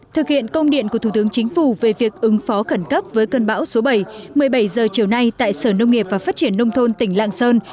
thực hiện công điện của thủ tướng chính phủ về việc ứng phó khẩn cấp với cơn bão số bảy một mươi bảy h chiều nay tại sở nông nghiệp và phát triển nông thôn tỉnh lạng sơn